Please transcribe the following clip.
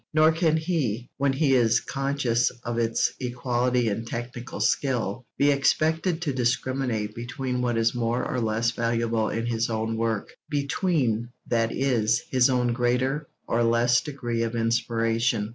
Nor can he, when he is conscious of its equality in technical skill, be expected to discriminate between what is more or less valuable in his own work; between, that is, his own greater or less degree of inspiration.